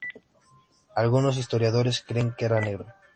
Algunos historiadores creen que era negro.